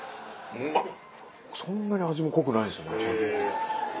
そんなに味も濃くないんですよね。